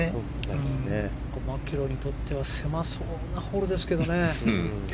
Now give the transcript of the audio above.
マキロイにとっては狭そうなホールですけどね。